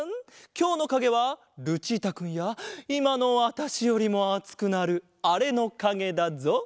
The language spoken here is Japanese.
きょうのかげはルチータくんやいまのわたしよりもあつくなるあれのかげだぞ。